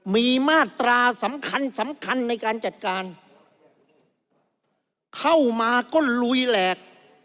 มีมาตราสำคัญสำคัญในการจัดการเข้ามาก็ลุยแหลก